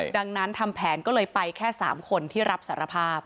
ดังนั้นทำแผนก็เลยไปแค่๓คนที่รับสารภาพ